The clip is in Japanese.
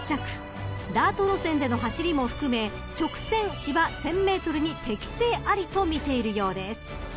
［ダート路線での走りも含め直線芝１，０００ｍに適正ありとみているようです］